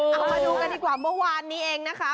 เอามาดูกันดีกว่าเมื่อวานนี้เองนะคะ